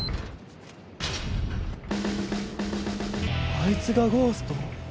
あいつがゴースト？